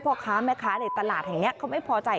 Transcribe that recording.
พ่อค้าแม่ค้าในตลาดแห่งนี้เขาไม่พอใจ